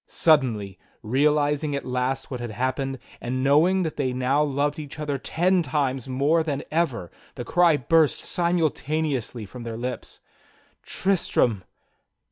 Suddenly, realizing at last what had happened, and knowing that they now loved each other ten times more than ever, the cry burst simultaneously from their lips: "Tristram!"